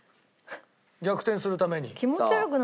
逆転するために。